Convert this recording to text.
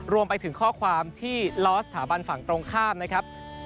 รวมไปถึงข้อความที่ลอสสถาบันฝั่งตรงข้ามนะครับ